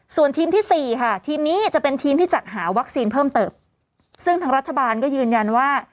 ส่วนทีมที่สี่ค่ะทีมนี้จะเป็นทีมที่จัดหาวัคซีนเพิ่มเติมซึ่งทางรัฐบาลก็ยืนยันว่า